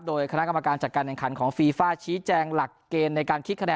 โดยคณะกรรมการจัดการแห่งขันของฟีฟ่าชี้แจงหลักเกณฑ์ในการคิดคะแน